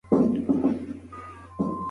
خپلي ټولني ته د خدمت لاره ومومئ.